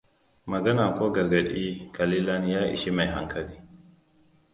Magana ko gargaɗi ƙalilan ya ishi mai hankali.